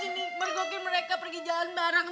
ini mergokin mereka pergi jalan bareng